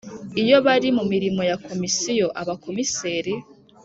Iyo bari mu mirimo ya Komisiyo Abakomiseri